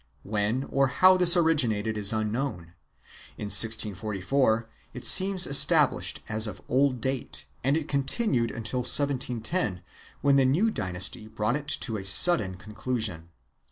When or how this originated is unknown; in 1644 it seems established as of old date and it continued until 1710, when the new dynasty brought it to a sudden conclusion.